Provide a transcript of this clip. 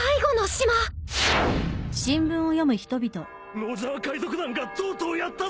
ロジャー海賊団がとうとうやったぞ！